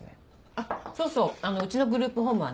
あっそうそううちのグループホームはね